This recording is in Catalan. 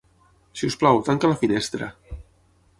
Si us plau, tanca la finestra.